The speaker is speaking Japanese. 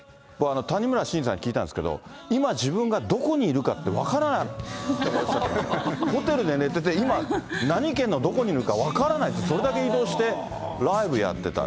谷村新司さんに聞いたんですけど、今、自分がどこにいるかって分からないって、ホテルで寝てて、今、何県のどこにいるか分からないって、それだけ移動してライブやってた。